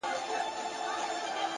د عمل دوام خام استعداد بدلوي.